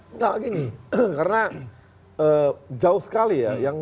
tidak lagi nih karena jauh sekali ya yang